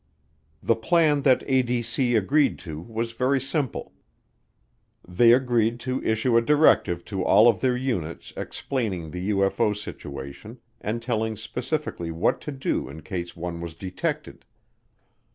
The plan that ADC agreed to was very simple. They agreed to issue a directive to all of their units explaining the UFO situation and telling specifically what to do in case one was detected.